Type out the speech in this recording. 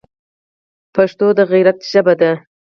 پښتو د غیرت ژبه ده